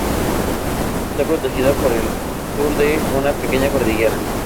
Está protegida por el sur de una pequeña cordillera.